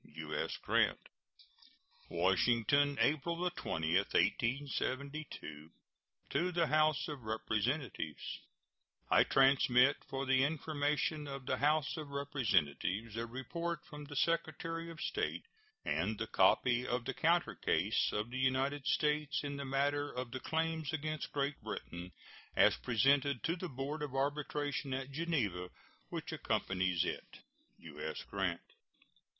U.S. GRANT. WASHINGTON, April 20, 1872. To the House of Representatives: I transmit, for the information of the House of Representatives, a report from the Secretary of State and the copy of the counter case of the United States in the matter of the claims against Great Britain, as presented to the board of arbitration at Geneva, which accompanies it. U.S. GRANT.